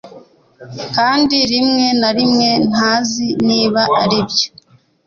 kandi rimwe na rimwe ntazi niba aribyo